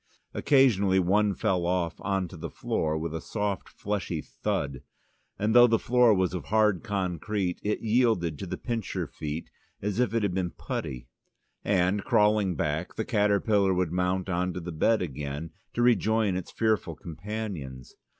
Occasionally one fell off on to the floor, with a soft fleshy thud, and though the floor was of hard concrete, it yielded to the pincerfeet as if it had been putty, and, crawling back, the caterpillar would mount on to the bed again, to rejoin its fearful companions.